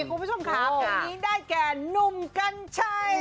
คุณผู้ชมคะวันนี้ได้แก่นุ่มกันชัย